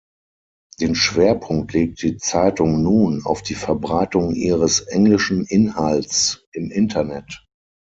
Den Schwerpunkt legt die Zeitung nun auf die Verbreitung ihres englischen Inhalts im Internet.